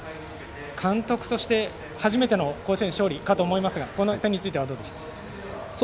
監督として初めての甲子園勝利かと思いますがこの点についてはどうでしょうか。